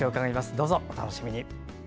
どうぞお楽しみに。